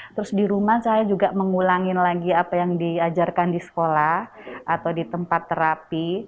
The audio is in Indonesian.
terus di rumah saya juga mengulangi lagi apa yang diajarkan di sekolah atau di tempat terapi